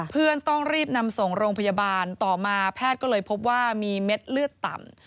เพื่อนต้องรีบนำส่งโรงพยาบาลต่อมาแพทย์ก็เลยพบว่ามีเม็ดเลือดต่ำ